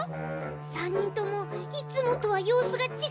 ３にんともいつもとはようすがちがうよ。